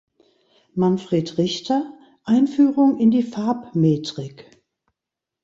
Manfred Richter: "Einführung in die Farbmetrik".